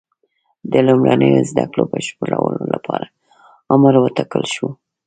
د لومړنیو زده کړو بشپړولو لپاره عمر وټاکل شو.